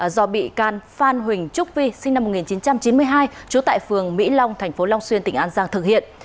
do bị can phan huỳnh trúc vi sinh năm một nghìn chín trăm chín mươi hai trú tại phường mỹ long thành phố long xuyên tỉnh an giang thực hiện